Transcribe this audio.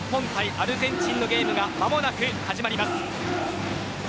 アルゼンチンのゲームが間もなく始まります。